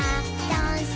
ダンス！